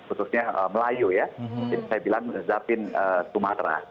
khususnya melayu ya jadi saya bilang zabin sumatra